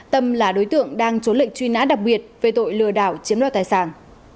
tâm là đối tượng đang trốn lệnh truy nã đặc biệt về tội lừa đảo chiếm đoạt tài sản